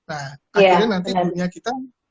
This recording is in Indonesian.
akhirnya nanti dunia kita